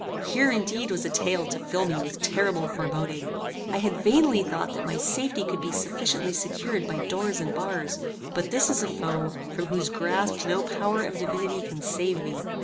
Here, indeed, was a tale to fill me with terrible foreboding. I had vainly thought that my safety could be sufficiently secured by doors and bars, but this is a foe from whose grasp no power of divinity can save me!